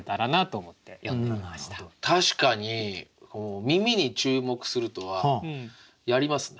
確かに耳に注目するとはやりますね。